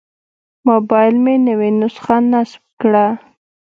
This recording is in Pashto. موبایل مې نوې نسخه نصب کړه.